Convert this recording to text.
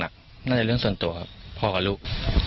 น่าจะเรื่องส่วนตัวครับพ่อกับลูก